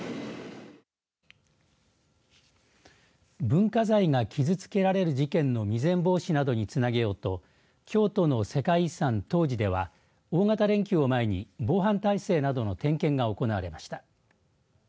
文化財が傷つけられる事件の未然防止などにつなげようと京都の世界遺産、東寺では大型連休を前に防犯体制などの点検が行われました。